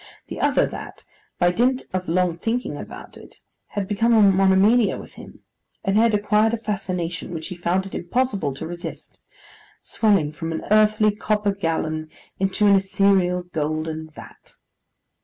The other that, by dint of long thinking about, it had become a monomania with him, and had acquired a fascination which he found it impossible to resist; swelling from an Earthly Copper Gallon into an Ethereal Golden Vat.